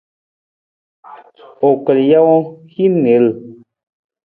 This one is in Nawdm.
U kal jawang, hin niil.